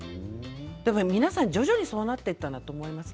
皆さん徐々にそうなっていったんだと思います。